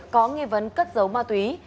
có nghi vấn cất dấu ma túy